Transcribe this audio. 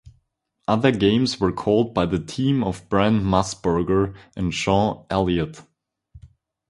Other games were called by the team of Brent Musburger and Sean Elliott.